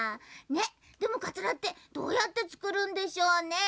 でもかつらってどうやってつくるんでしょうね？